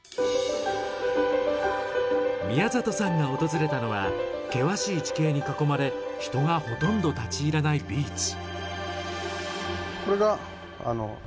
宮里さんが訪れたのは険しい地形に囲まれ人がほとんど立ち入らないビーチ。